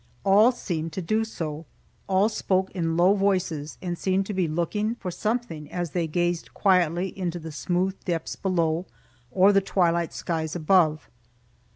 All seemed to do so; all spoke in low voices, and seemed to be looking for something as they gazed quietly into the smooth depths below, or the twilight skies above.